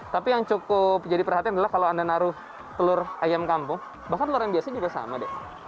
tapi yang cukup jadi perhatian adalah kalau anda naruh telur ayam kampung bahkan telur yang biasa juga sama deh